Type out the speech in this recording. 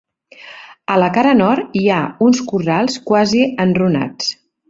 A la cara nord, hi ha uns corrals quasi enrunats.